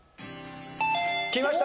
きました。